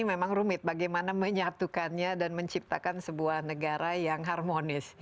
memang rumit bagaimana menyatukannya dan menciptakan sebuah negara yang harmonis